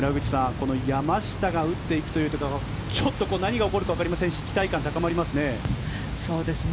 この山下が打っていくというとちょっと何が起こるかわかりませんし期待感高まりますね。